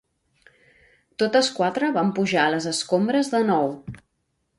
Totes quatre van pujar a les escombres de nou.